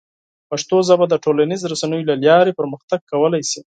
پښتو ژبه د ټولنیزو رسنیو له لارې پرمختګ کولی شي.